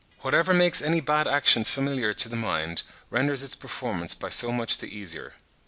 Whatever makes any bad action familiar to the mind, renders its performance by so much the easier.